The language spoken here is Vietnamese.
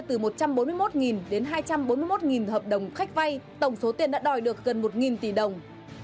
từ một trăm bốn mươi một đến hai trăm bốn mươi một hợp đồng khách vay tổng số tiền đã đòi được gần một tỷ đồng